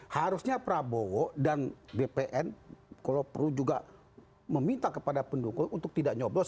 harusnya prabowo dan bpn kalau perlu juga meminta kepada pendukung untuk tidak nyoblos